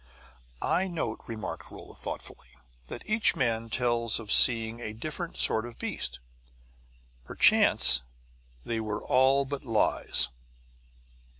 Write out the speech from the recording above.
"I note," remarked Rolla thoughtfully, "that each man tells of seeing a different sort of beast. Perchance they were all but lies."